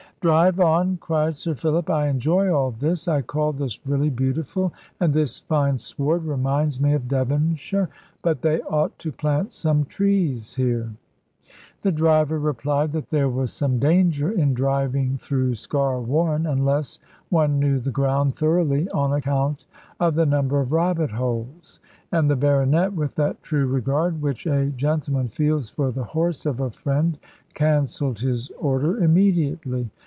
"Drive on," cried Sir Philip; "I enjoy all this: I call this really beautiful, and this fine sward reminds me of Devonshire. But they ought to plant some trees here." The driver replied that there was some danger in driving through Sker warren, unless one knew the ground thoroughly, on account of the number of rabbit holes; and the baronet, with that true regard which a gentleman feels for the horse of a friend, cancelled his order immediately.